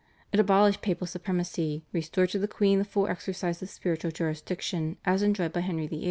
It abolished papal supremacy, restored to the queen the full exercise of spiritual jurisdiction as enjoyed by Henry VIII.